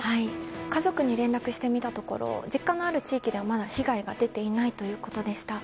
家族に連絡してみたところ実家のある地域では、まだ被害が出ていないということでした。